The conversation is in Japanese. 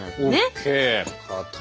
ＯＫ。